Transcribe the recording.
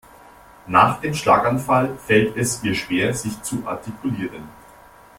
Nach dem Schlaganfall fällt es ihr schwer sich zu artikulieren.